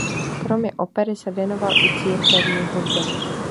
Kromě opery se věnoval i církevní hudbě.